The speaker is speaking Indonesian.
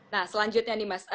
nah selanjutnya nih mas